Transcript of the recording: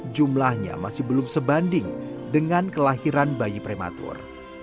jumlahnya masih belum sebanding dengan kelahiran bayi prematur